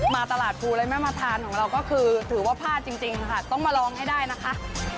มาตลาดภูเลยไม่มาทานของเราก็คือถือว่าพลาดจริงค่ะต้องมาลองให้ได้นะคะ